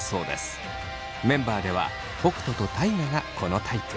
メンバーでは北斗と大我がこのタイプ。